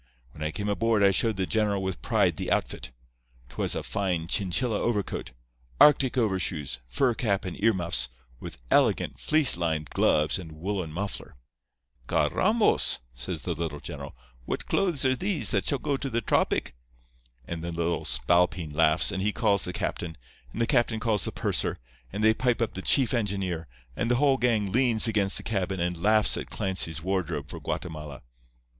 When I came aboard I showed the general with pride the outfit. 'Twas a fine Chinchilla overcoat, Arctic overshoes, fur cap and earmuffs, with elegant fleece lined gloves and woolen muffler. "'Carrambos!' says the little general. 'What clothes are these that shall go to the tropic?' And then the little spalpeen laughs, and he calls the captain, and the captain calls the purser, and they pipe up the chief engineer, and the whole gang leans against the cabin and laughs at Clancy's wardrobe for Guatemala.